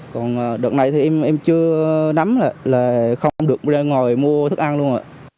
còn đợt này thì em chưa nắm là không được ra ngồi mua thức ăn luôn